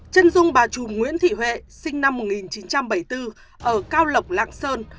chân dung bà trùm nguyễn thị huệ sinh năm một nghìn chín trăm bảy mươi bốn ở cao lộc lạng sơn